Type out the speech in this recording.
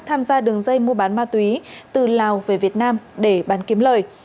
tham gia đường dây mua bán ma túy từ lào về việt nam để bán kiếm lời